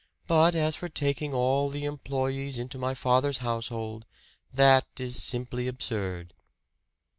But as for taking all the employees into my father's household that is simply absurd."